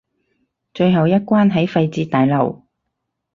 最後一關喺廢置大樓